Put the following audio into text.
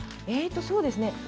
えとそうですね。